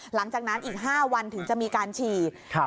หลังจากนั้นอีก๕วันถึงจะมีการฉีด